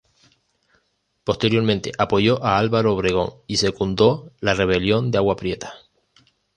Posteriormente apoyó a Álvaro Obregón y secundó la Rebelión de Agua Prieta.